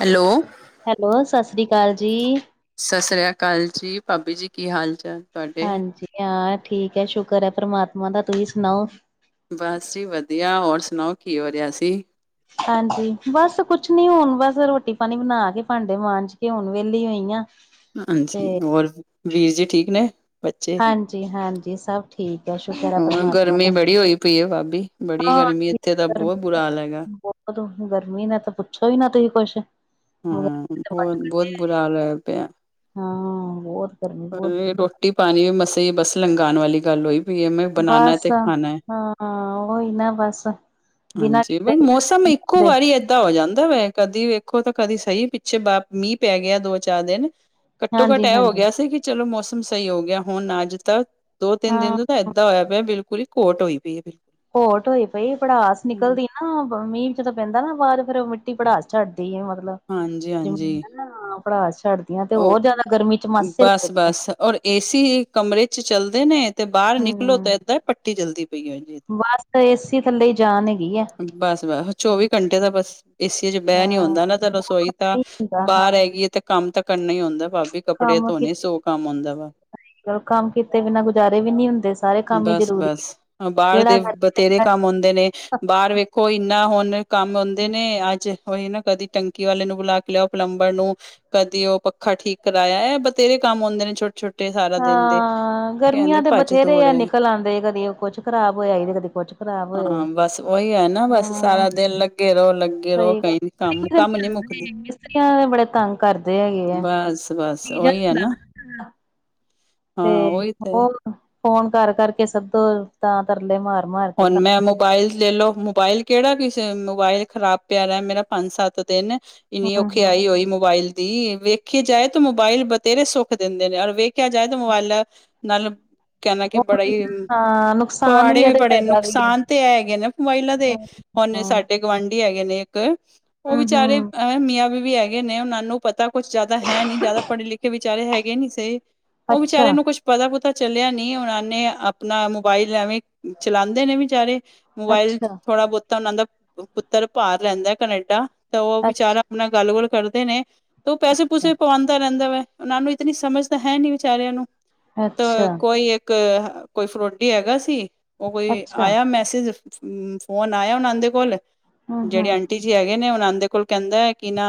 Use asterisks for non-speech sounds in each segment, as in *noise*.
Hello. Hello ਸੱਤਿ ਸ਼੍ਰੀ ਅਕਾਲ ਜੀ। ਸਤਿ ਸ੍ਰੀ ਅਕਾਲ ਜੀ ਭਾਬੀ ਜੀ ਕੀ ਹਾਲ ਚਾਲ। ਤੁਹਾਡੇ? ਹਾਂਜੀ ਹਾਂ ਠੀਕ ਹੈ ਸ਼ੁਕਰ ਏ ਪਰਮਾਤਮਾ ਦਾ ਤੁਸੀਂ ਸੁਣਾਓ। ਬਸ ਜੀ ਵਧੀਆਂ ਔਰ ਸੁਣਾਓ ਕੀ ਹੋ ਰਿਹਾ ਸੀ। ਹਾਂਜੀ ਬਸ ਕੁਛ ਨੀ ਹੁਣ ਬਸ ਰੋਟੀ ਪਾਣੀ ਬਣਾ ਕੇ ਭਾਂਡੇ ਮਾਂਜ ਕੇ ਹੁਣ ਵਿਹਲੀ ਹੋਈ ਆ। ਤੇ ਹਾਂਜੀ ਔਰ ਵੀਰ ਜੀ ਠੀਕ ਨੇ। ਬੱਚੇ ਹਾਂਜੀ ਹਾਂਜੀ ਸਭ ਠੀਕ ਹੈ ਸ਼ੁਕਰ ਹੈ ਹੋਰ ਪਰਮਾਤਮਾ ਗਰਮੀਂ ਦਾ ਬੜੀ ਹੋਈ ਪਈ ਹੈ ਪਾਬੀ ਬੜੀ ਹਾਂ ਗਰਮੀਂ। ਇੱਥੇ ਤਾਂ ਬਹੁਤ ਗਰਮੀ ਬੁਰਾ ਹਾਲ ਹੈਗਾ। ਬਹੁਤ ਗਰਮੀਂ ਦਾ ਤਾਂ ਪੁੱਛੋ ਈ ਨਾ ਤੁਸੀਂ ਕੁੱਛ। ਹਾਂ ਬਹੁਤ ਬੁਰਾ ਹਾਲ ਹੋਇਆ ਪਿਆ। ਹਾਂ ਹੋਰ। ਪਰ ਏ ਰੋਟੀ ਪਾਣੀ ਮਸੀ ਬਸ ਲੰਘਣ ਵਾਲੀ ਗੱਲ ਹੋਈ। ਪਈ ਹੈ, ਮੈਂ ਬਣਾਣਾ ਬਸ ਤੇ ਖਾਣਾ ਹਾਂ ਉਹੀਂ ਨਾਂ ਬਸ। ਬਿਨਾਂ ਹਾਂਜੀ ਕੀਤੇ ਗੁਜ਼ਾਰੇ ਮੌਸਮ ਵੀ ਨੀ ਇੱਕੋ ਹੁੰਦੇ ਵਾਰੀ। ਠੰਡਾ ਹੋ ਜਾਂਦਾ ਵੇ ਕਦੀ ਵੇਖੋ ਤਾਂ ਕਦੀ ਸਹੀ ਪਿੱਛੇ ਬਾ ਮੀਂਹ ਪੈ ਗਿਆ ਦੋ ਚਾਰ ਦਿਨ। ਘੱਟੋ- ਘੱਟ ਹਾਂਜੀ ਇਹ ਹੋ ਹਾਂਜੀ ਗਿਆ ਸੀ ਕਿ ਚਲੋ ਮੌਸਮ ਸਹੀ ਹੋ ਗਿਆ ਹੁਣ ਅੱਜ ਤਾਂ ਦੋ ਤਿੰਨ ਦਿਨ ਹਾਂ ਤੇ। ਬਿਲਕੁਲ ਹੀ ਕੋਟ ਹੋਈ ਬਿਲਕਲ *unintelligible* ਘੋਟ ਹੋਈ ਪਈ ਏ ਪੜਾਸ ਨਿਕਲਦੀ। ਮੀਂਹ ਜਦੋਂ ਪੈਂਦਾ ਨਾ ਬਾਅਦ ਫੇਰ ਉਹ ਮਿੱਟੀ ਪੜਾਸ ਛੱਡਦੀ ਹੈ ਮਤਲਬ ਹਾਂਜੀ ਹਾਂਜੀ ਜ਼ਮੀਨ। ਨਾ ਪੜਾਸ ਛੱਡਦੀਆਂ ਤੇ ਹੋਰ ਉਹ ਜਿਆਦਾ ਗਰਮੀ ਮਾਸੇ ਲੱਗਦੇ। ਏ ਸੀ ਕਮਰੇ ਚ ਚੱਲਦੇ ਨੇ। ਤੇ ਬਾਹਰ ਨਿਕਲੋ ਤਾਂ ਹਮ ਇਦਾਂ ਪੱਟੀ ਜਲਦੀ ਪਈ ਹੈ ਬਸ ਏ ਸੀ। ਥੱਲੇ ਜਾਣਗੇ। ਬਸ- ਬਸ ਚੌਵੀ ਘੰਟੇ ਤਾਂ ਬਸ ਏਸੀ 'ਚ' ਬਹਿ ਨੀ ਹਾਂ ਆਉਂਦਾ ਨਾ ਰਸੋਈ ਤਾਂ। ਨਹੀਂ ਹੁੰਦਾ ਹਾਂ ਬਾਹਰ ਹੈਗੀ ਹੈ ਤੇ ਕੰਮ ਤਾਂ ਕਰਨਾ ਹੀ ਹੁੰਦਾ ਭਾਬੀ ਕੱਪੜੇ ਕੰਮ ਧੋਣੇ ਕੀਤੇ ਸੌ ਕੰਮ ਆਉਂਦਾ ਵਾ। ਕੰਮ ਕੀਤੇ ਬਿਨਾਂ ਗੁਜਾਰੇ ਵੀ ਨੀ ਹੁੰਦੇ ਸਾਰੇ ਕੰਮ ਹੀ ਜ਼ਰੂਰੀ ਏ ਕਿਹੜਾ। ਤੇਰੇ ਕੰਮ ਆਉਂਦੇ ਨੇ ਬਾਹਰ ਵੇਖੋ ਇੰਨਾ ਹੁਣ ਕੰਮ ਆਉਂਦੇ ਨੇ ਅੱਜ। ਉਹੀ ਨਾ ਕਦੀ ਟੰਕੀ ਵਾਲੇ ਨੂੰ ਬੁਲਾ ਕੇ ਲਿਆਓ ਪਲੰਬਰ ਨੂੰ ਕਦੀ ਉਹ। ਪੱਖਾ ਠੀਕ ਕਰਾਇਆ ਏ ਬਥੇਰੇ ਕੰਮ ਆਦੇ ਨੇ ਛੋਟੇ- ਛੋਟੇ। ਸਾਰਾ ਦਿਨ ਦੇ ਹਾਂ ਗਰਮੀਆਂ ਕਹਿੰਦੇ ਤੇ ਭੱਜ ਬਥੇਰੇ ਦੌੜ ਆ ਏ ਨਿਕਲ ਆੰਦੇ ਕਦੇ ਕੁਛ ਖ਼ਰਾਬ ਹੋਇਆ ਏ ਤੇ ਕਦੀ ਕੁਝ। ਹਾਂ ਬਸ ਉਹੀ ਹੈ ਨਾ ਬਸ ਸਾਰਾ ਦਿਨ ਲੱਗੇ ਰਹੋ ਲੱਗੇ ਰਹੋ ਸਹੀ ਕਈ। ਕੰਮ ਗੱਲ ਕੰਮ ਨਹੀਂ ਮੁੱਕਦੇ। ਮਿਸਤਰੀਆਂ ਬੜੇ ਤੰਗ ਕਰਦੇ ਹੈਗੇ ਐ। ਬਸ ਬਸ ਉਹੀ ਹੈ ਨਾ ਹਾਂ ਤੇ ਉਹੀ ਉਹ ਫੋਨ ਕਰ- ਕਰ ਕੇ ਸੱਦੋ ਤਾਂ ਤਰਲੇ ਮਾਰ- ਮਾਰ ਕੇ ਹੁਣ ਤਾਂ। ਮੈਂ ਮੋਬਾਇਲ ਲੈ ਲੋ ਮੋਬਾਇਲ ਕਿਹੜਾ ਕਿਸ ਮੋਬਾਇਲ ਖ਼ਰਾਬ ਪਿਆ ਰਿਹਾ ਮੇਰਾ ਪੰਜ ਸੱਤ ਦਿਨ। ਇੰਨੀ ਹੂੰ ਔਖੀ ਹੂੰ ਆਈ ਹੋਈ ਮੋਬਾਇਲ। ਦੀ ਵੇਖਿਆ ਜਾਏ ਤਾਂ ਮੋਬਾਇਲ ਬਥੇਰੇ ਸੁੱਖ ਦਿੰਦੇ ਨੇ ਔਰ ਵੇਖਿਆ ਜਾਏ ਤਾਂ ਮੋਬਾਇਲ। ਨਾਲ ਕਹਿੰਦਾ ਕਿ ਬੜਾ ਉਹੀ ਹੀ ਹਾਂ ਨੁਕਸਾਨ ਪਵਾੜੇ ਹੈ ਵੀ। ਤੇ ਬੜੇ ਫਾਇਦਾ ਵੀ ਹੈ। ਨੁਕਸਾਨ ਤੇ ਇਹ ਹੈਗੇ ਨੇ ਮੋਬਾਈਲਾਂ ਦੇ ਹੁਣੇ ਸਾਡੇ ਗੁਆਂਢੀ ਹੈਗੇ ਨੇ ਇੱਕ। ਉਹ ਹੂੰ ਵਿਚਾਰੇ ਹੂੰ ਮੀਆਂ ਬੀਵੀ ਹੈਗੇ ਨੇ ਉਹਨਾਂ ਨੂੰ ਪਤਾ ਕੁਛ ਜ਼ਿਆਦਾ ਹੈ ਨੀ ਜ਼ਿਆਦਾ ਪੜ੍ਹੇ ਲਿਖੇ। ਵਿਚਾਰੇ ਹੈਗੇ ਨੀ ਸਹੀ ਉਹ ਵਿਚਾਰੇ ਅੱਛਾ ਨੂੰ ਕੁੱਛ। ਪਤਾ- ਪੁਤਾ ਚੱਲਿਆ ਨੀ ਹੋਣਾ ਉਹਣੇ ਆਪਣਾ ਮੋਬਾਇਲ ਐਵੇਂ ਚਲਾਉਂਦੇ ਨੇ ਵਿਚਾਰੇ। ਮੋਬਾਇਲ ਅੱਛਾ ਥੋੜਾ ਬਹੁਤਾ ਉਹਨਾਂ ਦਾ ਪੁੱਤਰ ਭਾਰ ਰਹਿੰਦਾ ਕਨੇਡਾ ਤਾਂ ਉਹ ਵਿਚਾਰਾ। ਅੱਛਾ ਉਹਦੇ ਨਾਲ ਗੱਲ ਗੁਲ ਕਰਦੇ ਨੇ ਤੇ ਉਹ ਪੈਸੇ ਪੂਸੇ ਵੀ ਪਾਵਾਉਂਦਾ ਰਹਿੰਦਾ ਵੈ ਉਹਨਾਂ ਨੂੰ ਇਤਨੀ ਸਮਝ ਤਾਂ ਹੈ ਨੀ ਵਿਚਾਰਿਆਂ ਨੂੰ ਅੱਛਾ ਤਾਂ ਅੱਛਾ। ਕੋਈ ਇੱਕ ਕੋਈ ਫਰੋਡੀ ਹੈਗਾ ਸੀ ਉਹ ਕੋਈ ਅੱਛਾ ਆਇਆ ਮੈਂ *unintelligible* ਫੋਨ ਆਇਆ ਉਹਨਾਂ ਦੇ ਕੋਲ ਹੂੰ ਜਿਹੜੇ ਹੂੰ ਆਂਟੀ ਟੀ ਜੀ ਹੈਗੇ ਨੇ ਉਹਦੇ ਕੋਲ ਕਹਿੰਦਾ ਕਿ ਨਾ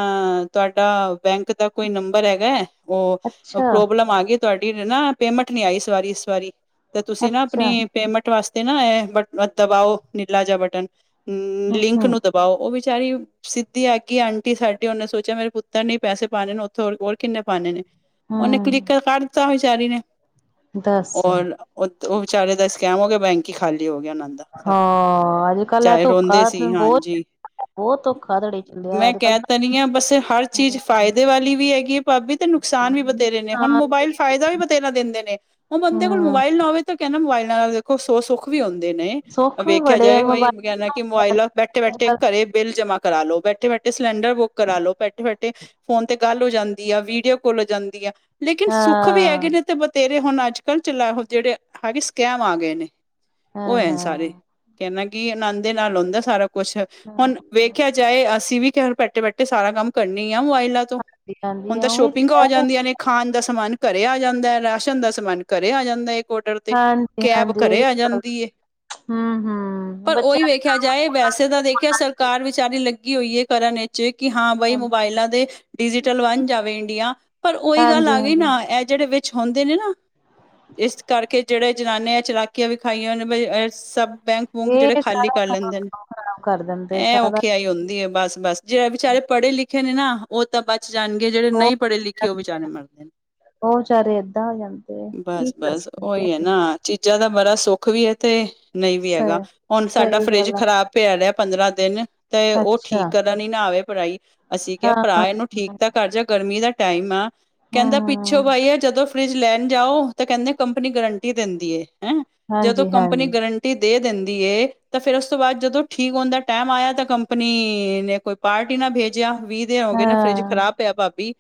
ਤੁਹਾਡਾ ਬੈਂਕ ਦਾ ਕੋਈ ਨੰਬਰ ਹੈਗਾ। ਉਹ ਅੱਛਾ ਪ੍ਰੋਬਲਮ ਆ ਗਈ ਤੁਹਾਡੀ ਨਾ ਪੇਮੈਂਟ ਨੀ ਆਈ ਇਸ ਵਾਰੀ ਇਸ ਵਾਰੀ। ਤੇ ਤੁਸੀਂ ਨਾ ਅੱਛਾ ਆਪਣੀ ਪੇਮੈਂਟ ਵਾਸਤੇ ਨਾ ਇਹ ਬਟ ਦਬਾਓ ਨੀਲਾ ਜਹਾ ਬਟਨ। ਹਮ ਹੂੰ ਲਿੰਕ ਹੂੰ ਨੂੰ ਦਬਾਓ ਉਹ ਵਿਚਾਰੀ ਸਿੱਧੀ ਆ ਗਈ ਆਂਟੀ ਸਾਡੇ ਉਹਨੇ ਸੋਚਿਆ ਮੇਰੇ ਪੁੱਤਰ ਨੇ ਹੀ ਪੈਸੇ ਪਾਉਂਣੇ ਨੇ ਉੱਥੇ ਹੋਰ ਕਿੰਨੇ ਪਾਉਂਣੇ ਨੇ। ਉਹਨੇ ਕਲਿੱਕ ਹੂੰ ਕਰ ਦਿੱਤਾ ਵਿਚਾਰੀ ਨੇ ਦੱਸ ਔਰ ਉਹ ਉਹ ਵਿਚਾਰੇ ਦਾ ਸਕੈਮ ਹੋ ਗਿਆ ਬੈਂਕ ਹੀ ਖਾਲੀ ਹੋ ਗਿਆ ਉਹਨਾਂ ਦਾ। ਹਾਂ ਅੱਜ ਕੱਲ ਇਹ *unintelligible* ਧੋਖਾ ਰੋਂਦੇ ਸੀ ਬਹੁਤ ਹਾਂਜੀ। ਬਹੁਤ ਧੋਖਾਧੜੀ ਚੱਲਿਆ ਮੈਂ ਅੱਜ ਕਹਿ ਕੱਲ ਤਾ ਰਹੀ ਹਾਂ ਬਸ ਹਰ ਚੀਜ਼ ਫਾਇਦੇ ਵਾਲੀ ਵੀ ਹੈਗੀ ਏ ਭਾਬੀ ਤੇ ਨੁਕਸਾਨ ਵੀ ਬਥੇਰੇ ਨੇ ਹੁਣ ਮੋਬਾਇਲ ਫਾਇਦਾ ਵੀ ਬਥੇਰਾ ਦਿੰਦੇ ਨੇ ਹੁਣ ਬੰਦੇ ਕੋਲ ਹਮ ਮੋਬਾਇਲ ਨਾ ਹੋਵੇ ਤੇ ਕਹਿੰਦਾ ਮੋਬਾਈਲ ਨਾਲ ਦੇਖੋ ਸੋ ਸੁੱ ਵੀ ਹੁੰਦੇ ਨੇ ਸੁੱਖ ਵੀ ਵੇਖਿਆ ਬੜੇ ਜਾਏ ਮੋਬਾਇਲ *unintelligible* ਹਾਂ ਕਿ ਮੋਬਾਇਲ ਬੈਠੇ ਬੈਠੇ ਘਰੇ ਬਿੱਲ ਜਮਾ ਕਰਾ ਲੋ ਬੈਠੇ ਬੈਠੇ ਸਿਲੰਡਰ ਬੁੱਕ ਕਰਾਲੋ ਬੈਠੇ ਬੈਠੇ ਫੋਨ ਤੇ ਗੱਲ ਹੋ ਜਾਂਦੀ ਆ ਵੀਡੀਓ ਕੋਲ ਹੋ ਜਾਂਦੀ ਆ ਲੇਕਿਨ ਸੁੱਖ ਵੀ ਹੈਗੇ ਹਾਂ ਨੇ ਤੇ ਬਥੇਰੇ ਹੁਣ ਅੱਜ ਕੱਲ੍ਹ ਚੱਲਾ ਉਹ ਜਿਹੜੇ ਹੈਗੇ ਹੈਵੀ ਸਕੈਮ ਆ ਗਏ ਨੇ। ਉਹ ਐ ਸਾਰੇ ਹਾਂ ਕਹਿਣਾ ਕਿ ਆਨੰਦ ਦੇ ਨਾਲ ਹੁੰਦਾ ਸਾਰਾ ਕੁਛ ਹੁਣ ਹਾਂਜੀ ਵੇਖਿਆ ਜਾਏ ਅਸੀਂ ਵੀ ਘਰ ਬੈਠੇ ਬੈਠੇ ਸਾਰਾ ਕੰਮ ਕਰਨੇ ਈ ਆ ਮੋਬਾਈਲਾ ਤੋਂ ਹਾਂਜੀ ਹੁਣ ਤਾਂ ਉਹੀ ਤੇ ਸ਼ੋਪਿੰਗ ਹੋ ਕਹਿ ਰਹੇ ਜਾਂਦੀਆਂ ਨੇ। ਖਾਣ ਦਾ ਸਮਾਨ ਘਰੇ ਆ ਜਾਂਦਾ ਰਾਸ਼ਨ ਦਾ ਸਮਾਨ ਘਰੇ ਆ ਜਾਂਦਾ ਇੱਕ ਔਡਰ ਤੇ ਹਾਂਜੀ ਕੈਬ ਹਾਂਜੀ ਘਰੇ ਇਹ ਵੀ ਆ ਗੱਲ ਜਾਂਦੀ ਐ ਹਮ ਹਮ ਪਰ ਉਹੀ ਬੱਚਿਆਂ ਦੇ ਵੇਖਿਆ ਕੰਮ ਜਾਂ ਏ ਫੋਨਾਂ ਵੈਸੇ ਤਾਂ ਦੇਖਿਆ ਫੋਨਾਂ ਚ ਹੀ ਸਰਕਾਰ ਵਿਚਾਰੀ ਲੱਗੀ ਹੋਈ ਐ ਕਰਨ ਇਹ ਚ ਕਿ ਹਾਂ ਬਾਈ ਹਾਂਜੀ ਮੋਬਾਇਲਾਂ ਦੇ ਡਿਜੀਟਲ ਵਣ ਜਾਵੇ ਇੰਡੀਆ ਪਰ ਉਹੀ ਗੱਲ ਹਾਂਜੀ ਆ ਗਈ ਹਾਂਜੀ ਨਾ ਇਹ ਜਿਹੜੇ ਵਿੱਚ ਹੁੰਦੇ ਨੇ ਨਾ ਇਸ ਕਰਕੇ ਜਿਹੜੇ ਜਨਾਨੇ ਆ ਚ ਕੇ ਵਿਖਾਈਆਂ ਨੇ ਅਰ *unintelligible* ਸਭ ਬੈਂਕ ਬੂੰਂਕ ਜਿਹੜੇ ਇਹ ਖਾਲੀ ਸਾਰਾ ਕਰ ਲੈਂਦੇ ਕੰਮ ਨੇ ਕੰਮ ਖਰਾਬ ਕਰ ਦਿੰਦੇ ਇਹ ਸਾਰਾ ਔਖੇ ਆਈ ਹੁੰਦੀ ਐ ਬਸ ਬਸ ਜਿਹੜੇ ਵਿਚਾਰੇ ਪੜ੍ਹੇ ਲਿਖੇ ਨੇ ਨਾ ਉਹ ਤਾਂ ਬਚ ਜਾਣਗੇ ਜਿਹੜੇ ਨਹੀਂ ਪੜ੍ਹੇ ਲਿਖੇ ਉਹ ਹੋਰ ਵਿਚਾਰੇ। *unintelligible* ਉਹ ਵਿਚਾਰੇ ਏਦਾਂ ਹੋ ਜਾਂਦੇ ਆ ਕੀ ਬਸ-ਬਸ ਉਹੀ ਹੈ ਨਾ *unintelligible* ਚੀਜ਼ਾਂ ਦਾ ਬੜਾ ਸੁੱਖ ਵੀ ਐ ਤੇ ਨਹੀਂ ਵੀ ਹੈਗਾ ਸਹੀ, ਹੁਣ ਸਾਡਾ ਸਹੀ ਫਰਿੱਜ ਗੱਲ ਆ ਖ਼ਰਾਬ ਪਿਆ ਰਿਹਾ ਪੰਦਰਾਂ ਦਿਨ ਤੇ ਉਹ ਠੀਕ ਅੱਛਾ ਕਰਨ ਈ ਨਾ ਆਵੇ ਭਰਾ ਈ ਅਸੀਂ ਕਿਹਾ ਹਾਂ। ਭਰਾ ਇਹਨੂੰ ਠੀਕ ਤਾ ਕਰ ਜਾ ਗਰਮੀ ਦਾ ਟਾਈਮ ਆ ਕਹਿੰਦਾ ਪਿੱਛੋਂ ਹੂੰ, ਬਾਈ ਆ ਜਦੋਂ ਫਰਿੱਜ ਲੈਣ ਜਾਓ ਤਾਂ ਕਹਿੰਦੇ ਕੰਪਨੀ ਗਰੰਟੀ ਦਿੰਦੀ ਐ ਹੈ ਜਦੋਂ ਕੰਪਨੀ ਹਾਂਜੀ-ਹਾਂਜੀ ਗਰੰ ਟੀ ਦੇ ਦਿੰਦੀ ਐ ਤਾਂ ਫੇਰ ਉਸ ਤੋਂ ਬਾਅਦ ਜਦੋਂ ਠੀਕ ਹੋਣ ਦਾ ਟੈਇਮ ਆਇਆ ਤਾਂ ਕੰਪਨੀ ਨੇ ਕੋਈ ਪਾਰਟ ਈ ਨਾ ਭੇਜਿਆ ਵੀਹ ਦਿਨ ਹੋ ਗਏ ਨੇ ਫਰਿੱਜ ਹਾਂ ਖ਼ਰਾਬ ਪਿਆ ਭਾਬੀ।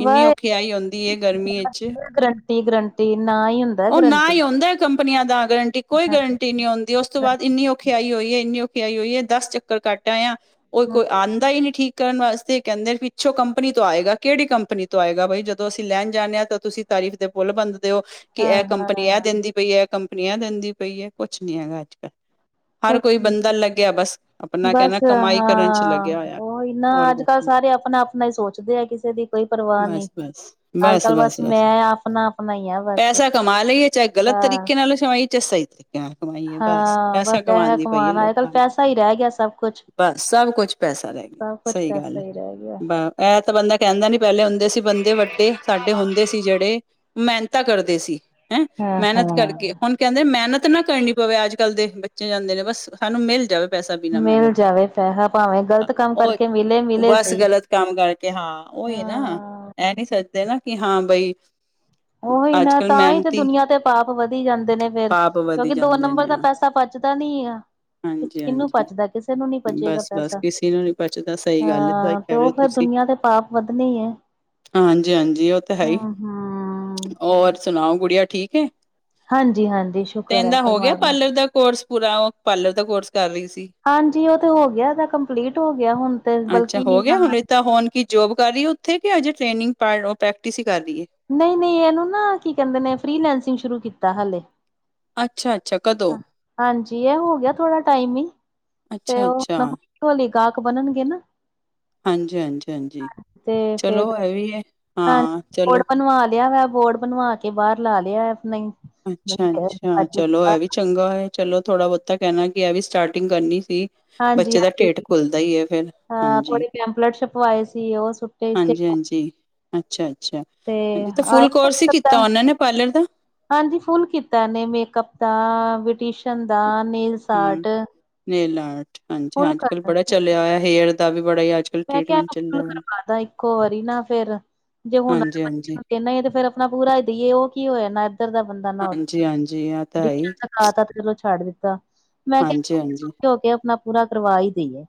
ਇੰਨੀ ਵਾਏ ਔਖਿਆਈ ਆਉਂਦੀ ਐ ਗਰਮੀ ਵਿੱਚ ਗਰੰਟੀ, ਗਰੰਟੀ ਨਾ ਹੀ ਹੁੰਦਾ ਉਹ ਨਾ ਈ ਗਰੰਟੀ। ਹੁੰਦਾ ਕੰਪਨੀਆਂ ਦਾ ਗਰੰਟੀ ਕੋਈ ਗਰੰਟੀ ਨੀ ਹੁੰਦੀ ਉਸ ਉਸ ਤੋਂ ਬਾਅਦ ਇੰਨੀ ਔਖੇਆਈ ਹੋਈ ਐ ਇੰਨੀ ਔਖੇਆਈ ਹੋਈ ਐ ਦਸ ਚੱਕਰ ਕੱਟ ਆਏ ਆ ਉਹ ਕੋਈ ਆਂਦਾ ਈ ਨੀ ਠੀਕ ਕਰਨ ਵਾਸਤੇ ਕਹਿੰਦੇ ਪਿੱਛੋਂ ਕੰਪਨੀ ਤੋਂ ਆਏਗਾ ਕਿਹੜੀ ਕੰਪਨੀ ਤੋਂ ਆਏਗਾ ਬਾਈ ਜਦੋਂ ਅਸੀਂ ਲੈਣ ਜਾਂਨੇ ਆ ਤਾਂ ਤੁਸੀਂ ਤਾਰੀਫ਼ ਦੇ ਪੁੱਲ ਬੰਦ ਦੇਓ ਕਿ ਇਹ ਕੰਪਨੀ ਇਹ ਹਾਂ-ਹਾਂ ਦਿੰਦੀ ਪਈ ਐ ਕੰਪਨੀ ਇਹ ਦਿੰਦੀ ਪਈ ਐ ਕੁਛ ਨੀ ਹੈਗਾ ਅੱਜ ਕੱਲ੍ਹ। ਹਰ ਕੁਛ ਕੋਈ ਨੀ ਬੰਦਾ ਲੱਗਿਆ ਬਸ ਆਪਣਾ ਬਸ ਕਹਿੰਦਾ ਕਮਾਈ ਕਰਨ ਚ ਲੱਗਿਆ ਹੋਇਆ ਹੋਰ ਕੁਛ ਕੱਲ ਨਹੀਂ ਸਾਰੇ ਆਪਣਾ ਆਪਣਾ ਈ ਸੋਚਦੇ ਆ ਕਿਸੇ ਦੀ ਕੋਈ ਪਰਵਾਹ ਨੀ ਬਸ ਬਸ ਅੱਜ ਕੱਲ ਬਸ ਮੈਂ ਆਪਣਾ ਪੈਸਾ ਕਮਾ ਲਈਏ ਚਾਹੇ ਗ਼ਲਤ ਹਾਂ, ਤਰੀਕੇ ਨਾਲ ਚਾਏ ਸਹੀ ਤ *unintelligible* ਕਮਾਈਏ ਬਸ ਹਾਂ ਪੈਸਾ ਕਮਾਣ ਦੀ ਪਈ ਏ ਕਮਾਣਾ ਅੱਜ-ਕੱਲ ਲੋਕਾਂ ਨੂੰ ਪੈਸਾ ਹੀ ਰਹਿ ਗਿਆ ਸਭ ਕੁਛ। ਬਸ ਸਭ ਕੁਛ ਪੈਸਾ ਰਹਿ ਸਭ ਕੁਛ ਸਹੀ ਗੱਲ ਪੈਸਾ ਐ‌ ਹੀ ਰਹਿ ਗਿਆ। ਬ ਇਹ ਤਾਂ ਬੰਦਾ ਕਹਿੰਦਾ ਨੀ ਪਹਿਲੇ ਹੁੰਦੇ ਸੀ ਬੰਦੇ ਵੱਡੇ ਸਾਡੇ ਹੁੰਦੇ ਸੀ ਜਿਹੜੇ ਮਿਹਨਤਾ ਕਰਦੇ ਸੀ ਹੈ। ਹਾਂ ਮਿਹਨਤ ਕਰਕੇ ਹਾਂ। ਹੁਣ ਕਹਿੰਦੇ ਮਿਹਨਤ ਨਾ ਕਰਨੀ ਪਵੇ, ਅੱਜ ਕੱਲ ਦੇ ਬੱਚੇ ਜਾਂਦੇ ਨੇ ਬਸ ਸਾਨੂੰ ਮਿਲ ਜਾਵੇ ਪੈਸਿਆ ਬਿਨਾਂ ਮਿਲ ਮਿਹਨਤ ਜਾਵੇ ਪੈਸਾ ਭਾਵੇਂ ਦਾ, ਗ਼ਲਤ ਕੰਮ ਉਹ ਕਰਕੇ ਮਿਲੇ ਮਿਲੇ ਬਸ ਸਹੀ ਗਲਤ ਕੰਮ ਕਰਕੇ ਹਾਂ ਉਈ ਏ ਨਾ ਹਾਂ। ਇਹ ਨੀ ਸੋਚਦੇ ਨਾ ਕਿ ਹਾਂ ਬਈ ਉਹੀ ਅੱਜ ਨਾ ਕੱਲ ਤਾਂ ਈ ਤੇ ਮਿਹਨਤੀ ਦੁਨੀਆਂ ਤੇ ਪਾਪ ਵਧੀ ਜਾਂਦੇ ਨੇ। ਫਿਰ ਪਾਪ ਵਧੀ ਕਿਉਂਕਿ ਦੋ ਜਾਂਦੇ ਨੰਬਰ ਨੇ ਦਾ ਪੈਸਾ ਪਚਦਾ ਨਹੀਂ ਐ। ਕਿਹਨੂੰ ਹਾਂਜੀ-ਹਾਂਜੀ, ਪਚਦਾ ਕਿਸੇ ਨੂੰ ਨੀ ਪਚੇਗਾ ਬਸ-ਬਸ ਪੈਸਾ ਕਿਸੇ ਨੂੰ ਨੀ ਬਚਦਾ ਸਹੀ ਗੱਲ ਹੈ, ਸਹੀ ਹਾਂ। ਤੇ ਕਹਿ ਰਹੇ ਉਹ ਫਿਰ ਦੁਨੀਆਂ ਤੇ ਪਾਪ ਵੱਧਣੇ ਈ ਐ। ਹਾਂਜੀ ਹਾਂਜੀ ਉਹ ਤਾਂ ਹੈ ਈ, ਹੂੰ। ਔਰ ਸੁਣਾਓ ਗੁੜੀਆ ਠੀਕ ਐ। ਹਾਂਜੀ ਹਾਂਜੀ ਸ਼ੁਕਰ ਐ ਪਰਮਾਤਮਾ ਦਾ। ਕੋਰਸ ਪੂਰਾ ਉਹ ਪਾਰਲਰ ਦਾ ਕੋਰਸ ਕਰ ਰਹੀ ਸੀ। ਹਾਂਜੀ ਉਹ ਤੇ ਹੋ ਗਿਆ ਇਹਦਾ ਕੰਪਲੀਟ ਹੋ ਗਿਆ ਹੁਣ ਤੇ ਅੱਛਾ ਬਲਕਿ ਨੀ ਹੋ ਗਿਆ ਹੁਣ ਹੁਣੇ ਤਾਂ ਹੋਣ ਕੀ ਜੋਬ ਕਰ ਰਹੀ ਉੱਥੇ ਕਿ ਅਜੇ ਟ੍ਰੇਨਿੰਗ ਪ੍ਰੈਕਟਿਸ ਹੀ ਕਰ ਰਹੀ ਐ। ਨਹੀਂ- ਨਹੀਂ ਇਹਨੂੰ ਨਾ ਕੀ ਕਹਿੰਦੇ ਨੇ ਫਰੀਲੈਂਸਿੰਗ ਸ਼ੁਰੂ ਕੀਤਾ ਹਲੇ ਅੱਛਾ- ਅੱਛਾ ਕਦੋਂ ਹਾਂਜੀ ਇਹ ਹੋ ਗਿਆ ਥੋੜਾ ਟਾਈਮ ਈ ਤੇ ਉਹ ਅੱਛਾ-ਅੱਛਾ, *unintelligible* ਬਿਲਕੁਲ ਨੀ ਗਾਹਕ ਬਣਨਗੇ ਨਾ। ਹਾਂਜੀ-ਹਾਂਜੀ ਹਾਂਜੀ ਤੇ ਫੇਰ ਚਲੋ ਇਹ ਵੀ ਐ। ਹਾਂ ਬੋਰਡ ਬਣਵਾ ਲਿਆ ਵਾ ਬੋਰਡ ਬਣਵਾ ਕੇ ਬਾਹਰ ਲਾ ਲਿਆ ਹੈ ਨਹੀਂ ਅੱਛਾ- ਅੱਛਾ ਚਲੋ ਇਹ ਵੀ ਚੰਗਾ ਹੋਇਆ ਚਲੋ ਥੋੜਾ ਬਹੁਤਾ ਕਹਿਣਾ ਕਿ ਇਹ ਵੀ ਸਟਾਰਟਿੰਗ ਕਰਨੀ ਸੀ। ਹਾਂਜੀ ਬੱਚੇ ਦਾ ਹਾਂਜੀ ਢਿੱਡ ਖੁੱਲਦਾ ਹੀ ਹੈ ਫਿਰ ਹਾਂ ਹਾਂਜੀ। ਥੋੜੇ ਪੈਂਪਲੇਟ ਛਪਵਾਏ ਸੀ ਉਹ ਸੁੱਟੇ ਇਸਤੇ ਹਾਂਜੀ- ਹਾਂਜੀ, ਅੱਛਾ-ਅੱਛਾ ਤੇ ਹਾਂਜੀ ਤਾਂ ਆਏ ਫੁੱਲ ਕੋਰਸ ਹੀ ਕੀਤਾ ਉਹਨਾਂ ਨੇ ਪਾਰਲਰ ਦਾ ਹਾਂਜੀ ਫੁੱਲ ਕੀਤਾ ਨੇੇ ਮੇਕਅਪ ਦਾ, ਵਿਟੀਸ਼ਨ ਦਾ, ਨੇਲਸ ਹੂੰ ਆਟ ਨੇਲ ਆਟ ਹਾਂਜੀ -ਹਾਂਜੀ ਕੱਲ ਬੜਾ ਚਲਿਆ ਹੋਇਆ ਹੇਅਰ ਦਾ ਵੀ ਬੜਾ ਹੀ ਅੱਜ ਮੈਂ ਕਿਹਾ ਅਪਲੋਡ ਕਰਵਾ ਦਾ ਇੱਕੋ ਵਾਰੀ ਨਾ ਫਿਰ ਜੇ ਹੁਣ ਹਾਂਜੀ-ਹਾਂਜੀ, ਆਪਾਂ ਦੇਣਾ ਤੇ ਫਿਰ ਆਪਣਾ ਪੂਰਾ ਹੀ ਦੇਈਏ ਉਹ ਕੀ ਹੋਇਆ ਨਾ ਇੱਧਰ ਦਾ ਬੰਦਾ ਨਾ ਉੱਧਰ ਜੀ ਹਾਂ ਤਾਂਈ ਐ। ਮੈਂ ਤੇ ਚਲੋ ਛੱਡ ਦਿੱਤਾ, ਮੈਂ ਕਿਹਾ ਔਖੇ ਹਾਂਜੀ-ਹਾਂਜੀ। ਸੌਖੇ ਹੋ ਕੇ ਆਪਣਾ ਪੂਰਾ ਕਰਵਾ ਹੀ ਦੇਈਏ।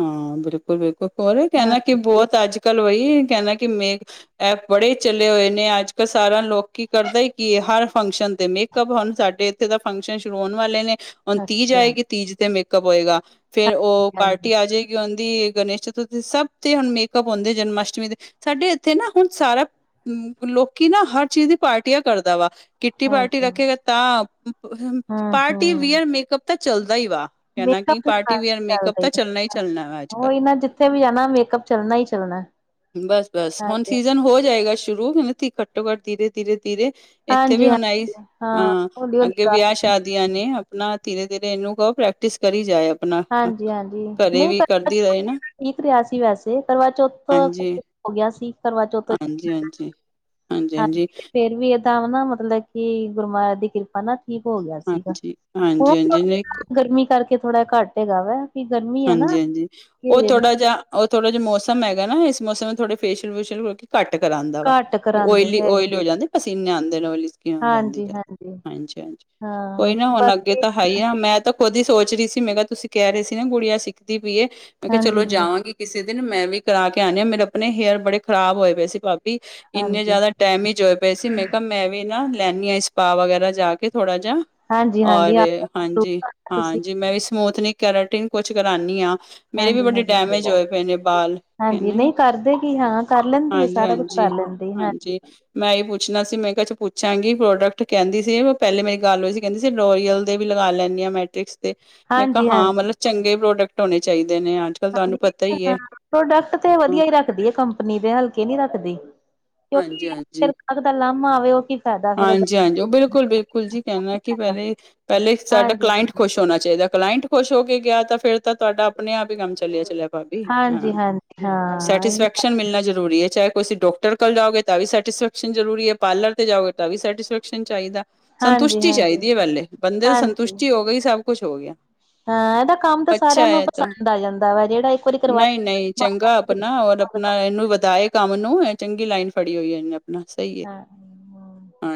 ਹਾਂ ਬਿਲਕੁਲ ਬਿਲਕੁਲ ਹੋਰ ਵੀ ਹਾਂ ਕਹਿੰਦਾ ਕਿ ਬਹੁਤ ਅੱਜ ਕੱਲ ਵਹੀ ਕਹਿੰਦਾ ਕਿ ਮੇ ਐਪ ਬੜੇ ਚਲੇ ਹੋਏ ਨੇ, ਅੱਜ ਕੱਲ ਸਾਰਾ ਲੋਕੀਂ ਕਰਦਾ ਹੈ ਕਿ ਹਰ ਫੰਕਸ਼ਨ ਤੇ ਮਿਕ ਮੇਕਅਪ ਹੁਣ ਸਾਡੇ ਇੱਥੇ ਦਾ ਫੰਕਸ਼ਨ ਸ਼ੁਰੂ ਹੋਣ ਵਾਲੇ ਨੇ ਹੁਣ ਤੀਜ ਅੱਛਾ ਆਏਗੀ ਤੀਜ ਤੇ ਮੇਕਅਪ ਹੋਏਗਾ ਫਿਰ ਉਹ ਬਟ ਹਾਂਜੀ *unintelligible* ਆਂਦੀ ਗਣੇਸ਼ ਚਤੁਰਥੀ ਸਭ ਤੇ ਹੁਣ ਮੇਕਅਪ ਜਨਮ ਅਸ਼ਟਮੀ ਤੇ ਸਾਡੇ ਇੱਥੇ ਨਾ ਹੁਣ ਸਾਰਾ, ਲੋਕੀਂ ਨਾ ਹਰ ਚੀਜ਼ ਦੀ ਪਾਰਟੀਆਂ ਕਰਦਾ ਵਾ ਕਿੱਟੀ ਪਾਰਟੀ ਹਾਂਜੀ ਰੱਖੇਗਾ ਤਾਂ ਹੂੰ ਪਾਰਟੀ ਹੂੰ ਵੀਅਰ ਮੇਕਅਪ ਤਾਂ ਚੱਲਦਾ ਹੀ ਵਾ ਕਹਿਣਾ ਕਿ ਪਾਰਟੀ ਵੀਅਰ ਮੇਕਅਪ ਸਹੀ ਤਾਂ ਚੱਲਣਾ ਹੀ ਚੱਲਣਾ ਵਾ ਅੱਜ ਗੱਲ ਉਹੀ ਕੱਲ੍ਹ ਨਾ ਜਿੱਥੇ ਵੀ ਜਾਣਾ ਮੇਕਅਪ ਚੱਲਣਾ ਹੀ ਚੱਲਣਾ। ਬਸ-ਬਸ, ਹੁਣ ਹਾਂਜੀ ਸੀਜਨ ਹੋ ਜਾਏਗਾ ਸ਼ੁਰੂ ਉਨਤੀ ਘੱਟੋ-ਘੱਟ ਤੀਰੇ ਤੀਰੇ ਤੀਰੇ ਇੱਥੇ ਵੀ ਹਾਂਜੀ ਹੁਣ ਆਈ, ਹਾਂਜੀ ਹਾਂ ਹੌਲੀ ਹੌਲੀ ਅੱਗੇ ਕਰ ਵਿਆਹ ਸ਼ਾਦ ਸ਼ਾਦੀਆ ਨੇ ਆਪਣਾ ਧੀਰੇ -ਧੀਰੇ ਏਨੂੰ ਕਹੋ ਪ੍ਰੈਕਟਿਸ ਕਰੀ ਜਾਏ ਆਪਣਾ ਹਾਂਜੀ- ਹਾਂਜੀ ਘਰੇ ਨਈ ਵੀ ਕਰਵਾ ਕਰਦੀ ਚੌਥ ਰਹੇ ਨਾ ਠੀਕ ਰਿਹਾ ਸੀ ਵੈਸੇ ਕਰਵਾ ਚੌਥ ਤੋ ਹੋ ਗੇਆ ਸੀ। ਕਰਵਾ ਚੌਥ ਹਾਂਜੀ-ਹਾਂਜੀ। ਹਾਂਜੀ ਤੇ ਫੇਰ ਵੀ ਏਦਾਂ ਨਾ ਮਤਲਬ ਕਿ ਗੁਰ ਮਾਹਰਾਜ ਦੀ ਕਿਰਪਾ ਨਾ ਠੀਕ ਹੋ ਗੇਆ ਸੀਗਾ, ਹਾਂਜੀ ਹੁਣ ਹਾਂਜੀ ਹਾਂਜੀ ਨਹੀਂ ਗਰਮੀ ਕਰਕੇ ਥੋੜ੍ਹਾ ਘੱਟ ਹੋ ਗੇਆ ਵਾ ਕਿ ਗਰਮੀ ਹੈ ਨਾ ਹਾਂਜੀ -ਹਾਂਜੀ ਓ ਕਿ ਥੋੜਾ ਜੇਆ, ਓ ਥੋੜਾ ਜੇਆ ਮੌਸਮ ਹੈਗਾ ਨਾ ਇਸ ਮੌਸਮ ਨੂੰ ਥੋੜੇ ਫੇ਼ਸੀਅਲ ਫੂਸ਼ਅਲ ਕਰਕੇ ਘੱਟ ਕਰਾਂਦਾ ਵਾ ਘੱਟ ਕਰਾਂਦੇ ਓਇਲੀ- ਹੈਗੇ ਓਇਲੀ ਹੋ ਜਾਂਦੇ ਪਸੀਨੇ ਆਂਦੇ ਨੇ ਓਇਲੀ ਕੋਈ ਨਈ ਜਾਂਦੀ ਜਾਵੇ, ਹਾਂਜੀ ਹਾਂਜੀ ਕੋਈ ਹਾਂ ਨਾ ਹੁਣ ਅੱਗੇ ਬਾਕੀ ਤਾਂ ਹੈ ਈ ਆ ਹਾਂਜੀ ਮੈਂ ਤਾਂ ਖੁਦ ਈ ਸੋਚ ਰਹੀ ਸੀ ਮੈਂ ਕੇਆ ਤੁਸੀਂ ਕੈ ਰਏ ਸੀ ਨਾ ਗੁੜੀਆਂ ਸਿੱਖਦੀ ਪਈਏ, ਮੈਂ ਕੇਆ ਹਾਂਜੀ ਚਲੋ ਜਾਵਾਂਗੀ। ਕਿਸੇ ਦਿਨ ਮੈਂ ਵੀ ਕਰਾ ਕੇ ਆਣੀ ਐ, ਮੇਰੇ ਆਪਣੇ ਹੇਅਰ ਬੜੇ ਖ਼ਰਾਬ ਹੋਏ ਪਏ ਸੀ ਭਾ ਵੀ ਇੰਨੇ ਹਾਂਜੀ ਜ਼ਿਆਦਾ ਡੈਮਿਜ਼ ਹੋਏ ਪਏ ਸੀ ਮੈਂ ਕੇਆ ਮੈਂ ਵੀ ਨਾ ਲੈਣੀ ਹਾਂ ਇਸ ਸਪਾ ਵਗੈਰਾ ਜਾ ਕੇ ਥੋੜਾ ਜੇਹਾ ਹਾਂਜੀ ਹਾਂਜੀ ਔਰ ਆਪ ਹਾਂਜੀ- ਹਾਂ ਤੁਸੀਂ ਇਨਾ ਵੀ ਸਮੂਥਨਿਕ, ਕੈਰਟਿਨ ਕੁਛ ਕਰਾਨੀ ਐ ਮੇਰੇ ਵੀ ਹਾਂਜੀ ਬੜੇ ਹਾਂਜੀ ਡੈਮੇਜ ਹੋਏ ਪਏ ਨੇ ਵਾਲ, ਓਹ ਹਾਂਜੀ- ਨਹੀਂ ਕਰਦੇ ਕਿ ਹਾਂ ਕਰ ਲੈਂਦੀ ਹੈ ਸਾਰਾ ਕੁਛ ਹਾਂਜੀ। ਕਰ ਲੈਂਦੀ ਹਾਂਜੀ। ਮੈਂ ਏਈ ਪੁੱਛਣਾ ਸੀ ਮੈਂ ਕ ਚ ਪੁੱਛਾਂਗੀ ਪ੍ਰੋਡਕਟ ਕੇਂਦੀ ਸੀ ਮੈ ਪੇਲੇ ਮੇਰੀ ਗੱਲ ਹੋਈ ਸੀ ਕੇਂਦੀ ਸੀ- ਸਡੋਰੀਅਲ ਦੇ ਵੀ ਲਗਾ ਲੈਂਣੀ ਆ ਮੈਟ੍ਰਿਕਸ। ਤੇ ਮੈਂ ਕੇਆ ਹਾਂਜੀ ਹਾਂ ਹਾਂਜੀ ਮਤਲਬ ਚੰਗੇ ਪ੍ਰੋਡਕਟ ਹੋਣੇ ਚਾਈਦੇ ਨੇ ਅੱਜ- ਕੱਲ੍ਹ ਤੁਆਨੂੰ ਹਾਂਜੀ ਪਤਾ ਈ ਹਾਂ ਏ। ਪ੍ਰੋਡਕਟ ਤੇ ਹਾਂ, ਵਧੀਆ ਈ ਰੱਖਦੀ ਏ ਕੰਪਨੀ ਦੇ ਹਲਕੇ ਨੀ ਰੱਖਦੀ, ਕਿਉਂਕਿ ਫੇਰ ਅਗਲੇ ਦਾ ਲਾਮਾ ਆਵੇ ਓ ਕੀ ਫਾਇਦਾ ਫਿਰ ਹਾਂਜੀ ਹਾਂਜੀ ਬਿਲਕੁਲ-ਬਿਲਕੁਲ ਜੀ ਕੈਣਾ ਕੀ ਕਿ ਫਾਇਦਾ। ਪੇਲੇ ਪੇਲੇ ਸਾਡਾ ਹਾਂਜੀ ਕਲਾਇੰਟ ਹਾਂਜੀ ਖੁਸ਼ ਹੋਣਾ ਚਾਈਦਾ, ਕਲਾਇੰਟ ਖੁਸ਼ ਹੋ ਕੇ ਗੇਆ ਤਾਂ ਫਿਰ ਤਾਂ ਤੁਆਡਾ ਆਪਣੇ ਆਪ ਈ ਕੰਮ ਚੱਲੇਆ- ਚੱਲੇਆ ਭਾਬੀ ਹਾਂ, ਹਾਂਜੀ ਹਾਂਜੀ ਹਾਂ ਇਹੀ ਸੈਟੀਸਫੈਕ ਸ਼ਨ ਜ਼ਰੂਰੀ ਐ, ਚਾਹੇ ਕੀਸੀਂ ਡਾਕਟਰ ਕੋਲ ਜਾਓਗੇ ਤਾਂ ਵੀ ਸੈਟਿਸਫੈਕਸ਼ਨ ਜ਼ਰੂਰੀ ਐ, ਪਾਰਲਰ ਕੋਲ ਜਾਓਗੇ ਤਾ ਵੀ ਸੈਟਿਸਫੈਕਸ਼ਨ ਚਾਈਦਾ, ਹਾਂਜੀ ਸੰਤੁਸ਼ਟੀ ਹਾਂਜੀ ਚਾਈਦੀ ਆ ਪੇਲੇ ਬੰਦੇ ਦੀ ਹਾਂਜੀ ਸੰਤੁਸ਼ਟੀ ਹੋ ਗਈ ਸਭ ਕੁਸ਼ ਹੋ ਗਿਆ। ਹਾਂ ਏਦਾ ਕੰਮ ਤਾਂ ਅੱਛਾ ਸਾਰੇਆਂ ਨੂੰ ਹੈ ਤਾਂ ਪਸੰਦ ਆ ਜਾਂਦਾ ਵਾ, ਜੇੜਾ ਇੱਕ ਵਾਰੀ ਕਰਵਾਆ ਨਹੀਂ-ਨਹੀਂ ਚੰਗਾ ਆਪਣਾ ਔਰ ਆਪਣਾ ਏਨੂੰ ਵਧਾਏ ਕੰਮ ਨੂੰ ਏ ਚੰਗੀ ਲਾਈਨ ਫੜੀ ਹੋਈ ਐ ਏਨੇ ਆਪਣਾ ਸਈ ਹਾਂ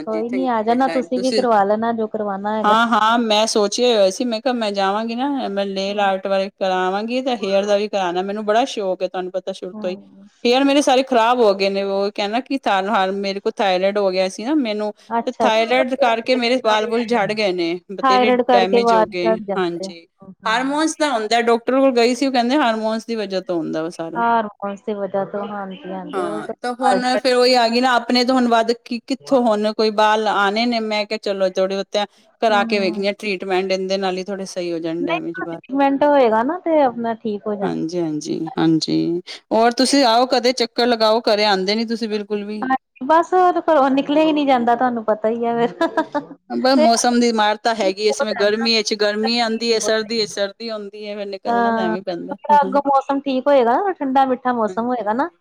ਕੋਈ ਨੀ ਆ ਹੈ ਜਾਣਾ ਲਾਈਨ ਤੁਸੀਂ ਵੀ ਕਰਵਾ ਲੈਣਾ ਜੋ ਕਰਵਾਣਾ ਹੈਗਾ। ਹਾਂ ਮੈਂ ਸੋਚੇਆ ਹੀ ਹੋਇਆ ਸੀ ਮੈਂ ਕੇਆ ਮੈਂ ਜਾਵਾਂਗੀ ਨਾ ਮੈਂ ਨੇਲ ਆਰਟ ਬਾਰੇ ਕਰਾਵਾਂਗੀ ਤੇ ਹੇਅਰ ਦਾ ਵੀ ਕਰਾਣਾ ਮੈਨੂੰ ਬੜ ਸ਼ੌਕ ਐ ਤੁਆਨੂੰ ਪਤਾ। ਸ਼ੁਰੂ ਤੋਂ ਈ। ਹਮ ਹੇਅਰ ਮੇਰੇ ਸਾਰੇ ਖ਼ਰਾਬ ਹੋ ਗਏ ਨੇ ਓ ਕੈਣਾ ਕਿ ਹ ਮੇਰੇ ਕੋਲ ਥਾਇਰੋਇਡ ਹੋ ਗੇਆ ਸੀ। ਨਾ ਮੈਨੂੰ। ਤੇ ਅੱਛਾ ਅੱਛਾ ਥਾਇਰੋਇਡ ਕਰਕੇ ਮੇਰੇ ਬਾਲ ਬੁਲ ਜੜ ਗਏ ਨੇ, ਬਥੇਰੇ ਥਾਇਰਡ ਕਰਕੇ ਡੈਮੇਜ ਹੋ ਵਾਲ ਗਏ, ਝੜ ਜਾਂਦੇ ਆ ਹਾਂਜੀ। ਹੂੰ ਹੂੰ ਹਾਰਮੋਨਸ ਦਾ ਹੁੰਦਾ ਡਾਕਟਰ ਕੋਲ ਗਈ ਸੀ, ਓ ਕੇਂਦੇ ਹਾਰਮੋਨਸ ਦੀ ਵਜਾ ਤੋਂ ਹੁੰਦਾ ਵਾ ਸਾਰਾ। ਹਾਰਮੋਨਸ ਦੀ ਵਜਾ ਤੋ ਨਾ ਅੰਦਰੋ ਅੰਦਰ ਓ ਹਾਂ ਤਾ ਤਾਂ ਹੁਣ ਹਾਂਜੀ -ਹਾਂਜੀ। ਫੇਰ ਉਹੀ ਆ ਗਈ ਨਾ ਆਪਣੇ ਤੋ ਹੁਨ ਵੱਧ ਕਿ ਕਿੱਥੋਂ ਹੁਣੇ ਕੋਈ ਬਾਲ ਆਣੇ ਨੇ ਮੈਂ ਕੇਆ ਚਲੋ ਜੋੜਓ ਤਾਂ ਕਰਾ ਕੇ ਹੂੰ ਵੇਖਣੀ ਟ੍ਰਰੀਟਮੈਂਟ ਏਦੇ ਨਾਲ ਈ ਥੋੜੇ ਸਹੀ ਹੋ ਜਾਣ ਡੈਮੇਜ ਵਾਲ। ਮਿੰਟ ਹੋਏਗਾ ਨਾ। ਅ ਤੇ ਆਪਣਾ ਠੀਕ ਹੋ ਜਾਣਾ। ਹਾਂਜੀ ਹਾਂਜੀ ਹਾਂਜੀ। ਹੋਰ ਤੁਸੀਂ ਆਓ ਕਦੇ ਚੱਕਰ ਲਗਾਓ ਘਰੇ ਆਦੇ ਨੀ ਤੁਸੀਂ ਬਿਲਕੁਲ ਵੀ। ਬਸ ਹੋਰ ਘਰੋ ਨਿਕਲਿਆ ਈ ਨਈ ਜਾਂਦਾ ਤੁਆਨੂੰ ਪਤਾ ਈ ਆ ਫਿਰ ਹਹ ਕੇਂਦੇ ਮੌਸਮ ਦੀ ਇਮਾਰਤਾ ਹੈਗੀ ਆ ਇਸ ਸਮੇਂ ਹੈ ਨਾ ਗਰਮੀ ਚ ਗਰਮੀ ਆਦੀ ਏ। ਸਰਦੀ ਚ ਸਰਦੀ ਆਉਂਦੀ। ਹੈ ਫਿਰ ਨਿਕਲਣਾ ਤਾਂ ਆਂ, ਐਵੇਂ ਪੈਂਦਾ ਆਪਣਾ ਹਾਂਜੀ ਅੱਗੋਂ ਮੌਸਮ ਠੀਕ ਹੋਏਗਾ ਨਾ। ਠੰਡਾ ਮਿੱਠਾ ਮੌਸਮ ਹੋਏਗਾ ਨਾ। ਹਾਂਜੀ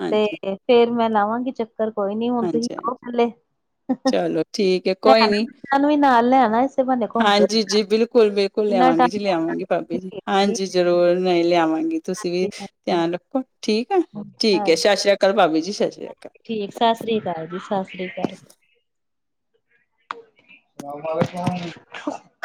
ਹਾਂਜੀ ਤੇ ਫਿਰ ਮੈਂ ਲਾਵਾਂਗੀ ਚੱਕਰ ਕੋਈ ਨੀ। ਹੁਣ ਤੁਸੀਂ ਹਾਂਜੀ ਹਾਂਜੀ ਆਓ ਪਹਿਲੇ ਚਲੋ ਠੀਕ ਹੈ ਕੋਈ ਲੈਣਾ ਨੀ ਸੂੰ ਵੀ ਨਾਲ ਲੈਣਾ ਇਸੇ ਬਹਾਨੇ ਘੁੰਮ ਫਿਰ ਹਾਂਜੀ ਜੀ ਜਾਣ ਬਿਲਕੁਲ ਬਿਲਕੁਲ ਲਿਆਵਾਂਗੇ ਜੀ ਲਿਆਵਾਂਗੇ ਭਾਬੀ ਜੀ। ਹਾਂਜੀ ਜ਼ਰੂਰ, ਨਹੀਂ ਲਿਆਵਾਂਗੇ। ਤੁਸੀਂ ਵੀ, ਹਾਂਜੀ ਧਿਆਨ ਰੱਖੋ। ਠੀਕ ਆ ਠੀਕ ਹਾਂਜੀ ਏ। ਸ਼ਸ਼ਰੀ ਕਾਲ ਭਾਬੀ ਜੀ ਸ਼ਸ਼ਰੀ ਕਾਲ। ਠੀਕ, ਸ਼ਸ਼ਰੀ ਕਾਲ ਜੀ ਸ਼ਸ਼ਰੀ ਕਾਲ। ਰਾਮ ਰਾਮ ਚਾੜਨੇ